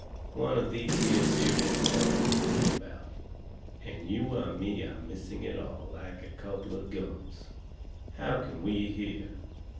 One of these here serious times you read about. And you and me are missing it all, like a couple of gumps. How can we hear?"